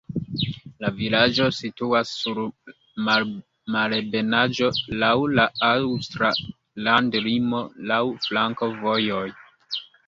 La vilaĝo situas sur malebenaĵo, laŭ la aŭstra landlimo, laŭ flankovojoj.